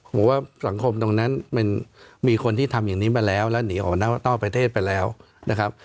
ผมว่าสังคมตรงนั้นมันมีคนที่ทำอย่างนี้มาแล้วแล้วหนีออกนอกประเทศไปแล้วนะครับ